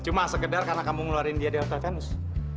cuma segedar karena kamu ngeluarin dia di hotel venus